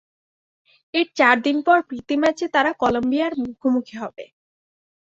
এর চার দিন পর প্রীতি ম্যাচে তাঁরা কলম্বিয়ার মুখোমুখি হবে।